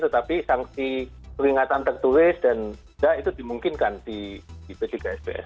tetapi sanksi peringatan tertulis dan denda itu dimungkinkan di pckps